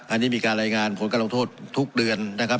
อันนี้มีการรายงานผลการลงโทษทุกเดือนนะครับ